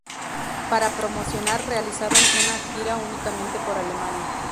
Para promocionar realizaron una gira únicamente por Alemania.